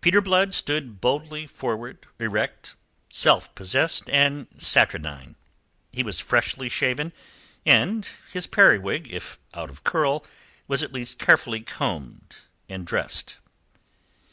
Peter Blood stood boldly forward, erect, self possessed, and saturnine. He was freshly shaven, and his periwig, if out of curl, was at least carefully combed and dressed.